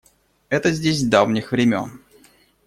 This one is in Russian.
Это здесь с давних времён.